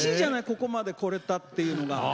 ここまでこれたっていうのが。